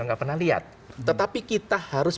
nggak pernah lihat tetapi kita harus